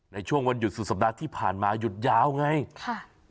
ในช่วงวันหยุดสุดสัปดาห์ที่ผ่านมาหยุดยาวไงค่ะ